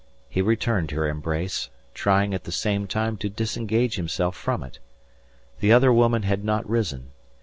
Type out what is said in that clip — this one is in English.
He returned her embrace, trying at the same time to disengage himself from it. The other woman had not risen.